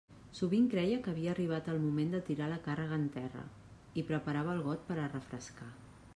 Sovint creia que havia arribat el moment de tirar la càrrega en terra i preparava el got per a «refrescar».